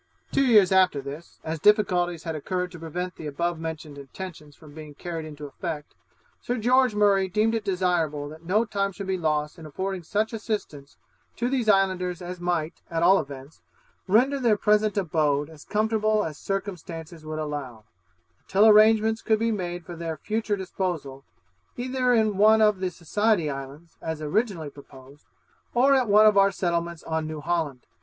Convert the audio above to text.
Two years after this, as difficulties had occurred to prevent the above mentioned intentions from being carried into effect, Sir George Murray deemed it desirable that no time should be lost in affording such assistance to these islanders as might, at all events, render their present abode as comfortable as circumstances would allow, until arrangements could be made for their future disposal, either in one of the Society Islands, as originally proposed, or at one of our settlements on New Holland.